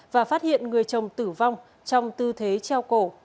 và phát hiện người chồng tử vong trong tư thế treo cổ